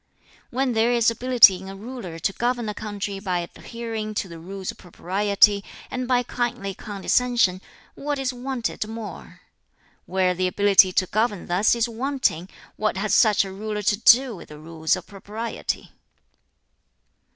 "When there is ability in a ruler to govern a country by adhering to the Rules of Propriety, and by kindly condescension, what is wanted more? Where the ability to govern thus is wanting, what has such a ruler to do with the Rules of Propriety?